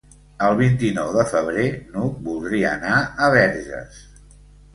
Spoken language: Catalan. El vint-i-nou de febrer n'Hug voldria anar a Verges.